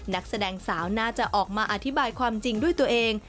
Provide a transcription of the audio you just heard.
นักแสดงสาวน่าจะออกมาอธิบายความจริงด้วยตัวเอง